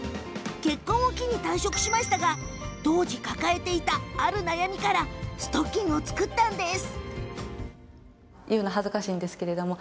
結婚を機に退職しましたが当時、抱えていた、ある悩みからストッキングを作りました。